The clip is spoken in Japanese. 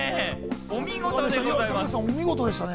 お見事でございます。